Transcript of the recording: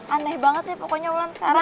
aneh banget ya pokoknya wulan sekarang